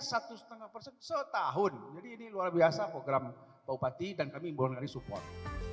satu setengah persen setahun jadi ini luar biasa program bapak bati dan kami berhubungan di support